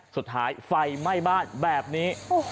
สุดท้ายไฟไหม้บ้านแบบนี้